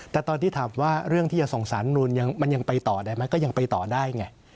แต่ตอนที่ถามว่าเรื่องที่จะส่งสารมนุนมันยังไปต่อได้ไหมก็ยังไปต่อได้ไง